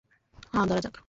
হ্যাঁ, ধরা যাক।